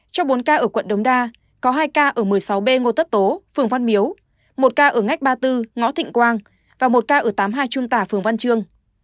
trong bốn ca ở quận đống đa có hai ca ở một mươi sáu b ngô tất tố phường văn miếu một ca ở ngách ba mươi bốn ngõ thịnh quang và một ca ở tám mươi hai trung tả phường văn chương